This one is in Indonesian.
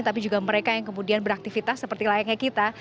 tapi juga mereka yang kemudian beraktivitas seperti layaknya kita